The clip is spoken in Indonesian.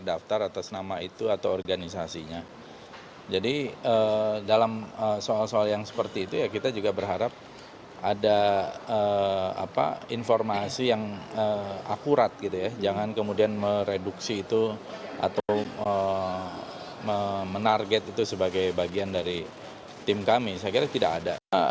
atau menarget itu sebagai bagian dari tim kami saya kira tidak ada